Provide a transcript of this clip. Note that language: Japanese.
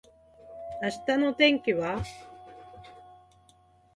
明日の天気は？